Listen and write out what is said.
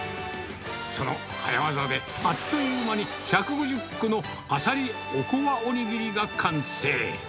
その早業で、あっという間に１５０個のアサリおこわおにぎりが完成。